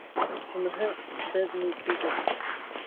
Уныһы бер ни түгел.